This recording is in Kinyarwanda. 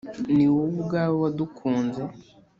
ni wowe ubwawe wadukunze